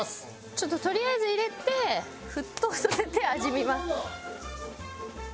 ちょっととりあえず入れて沸騰させて味見ます。